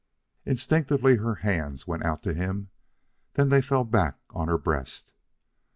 Instinctively her hands went out to him, then they fell back on her breast.